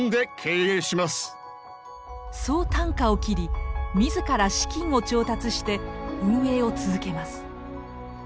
そうたんかを切り自ら資金を調達して運営を続けます。